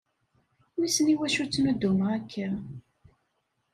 Wissen iwacu ttnuddumeɣ akka.